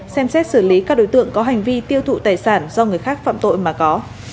xem xét xử lý các đối tượng có hành vi tiêu thụ tài sản do người khác phạm tội mà có